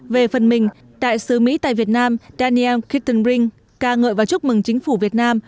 về phần mình đại sứ mỹ tại việt nam daniel kittenbring ca ngợi và chúc mừng chính phủ việt nam